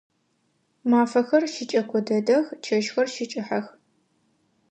Мафэхэр щыкӏэко дэдэх, чэщхэр щыкӏыхьэх.